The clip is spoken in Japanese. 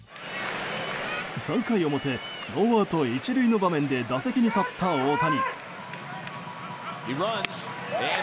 ３回表ノーアウト１塁の場面で打席に立った大谷。